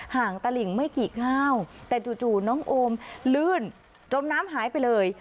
ห่างตะหลิงไม่กี่ข้าวแต่จู่จู่น้องโอมลื่นจมน้ำหายไปเลย